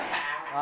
あ！